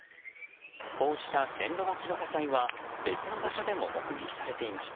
こうした線路脇の火災は別の場所でも目撃されていました。